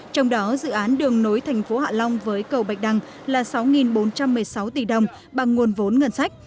trong đó dự án đường nối thành phố hạ long với cầu bạch đăng là sáu bốn trăm một mươi sáu tỷ đồng bằng nguồn vốn ngân sách